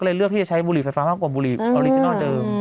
เลือกที่จะใช้บุหรี่ไฟฟ้ามากกว่าบุรีออริจินัลเดิม